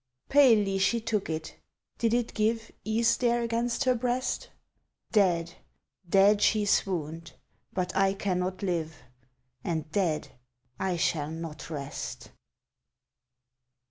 Palely she took it did it give Ease there against her breast? (Dead dead she swooned, but I cannot live, And dead I shall not rest.)